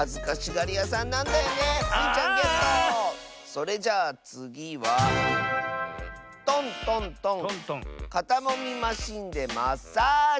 それじゃあつぎは「とんとんとんかたもみマシンでマッサージ」。